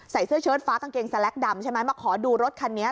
เสื้อเชิดฟ้ากางเกงสแล็กดำใช่ไหมมาขอดูรถคันนี้